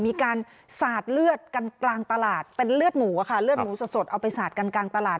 มีการสาดเลือดกันกลางตลาดเป็นเลือดหมูค่ะเลือดหมูสดเอาไปสาดกันกลางตลาด